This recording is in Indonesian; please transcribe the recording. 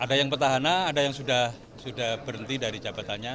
ada yang petahana ada yang sudah berhenti dari jabatannya